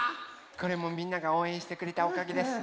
これもみんながおうえんしてくれたおかげです。